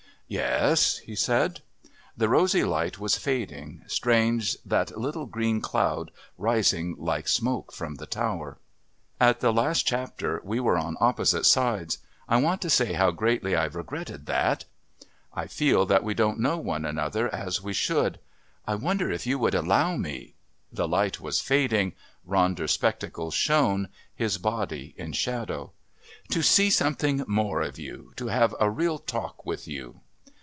"Yes?" he said. The rosy light was fading. Strange that little green cloud rising like smoke from the tower.... "At the last Chapter we were on opposite sides. I want to say how greatly I've regretted that. I feel that we don't know one another as we should. I wonder if you would allow me..." The light was fading Ronder's spectacles shone, his body in shadow. "...to see something more of you to have a real talk with you?"